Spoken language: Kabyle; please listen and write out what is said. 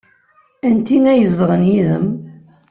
Anti ay izedɣen yid-m?